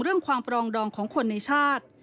เรื่องความปรองดองของคนในชาติ